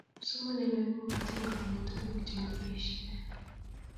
kipsomaninik komokotin kotinyei tukuk chekibaishe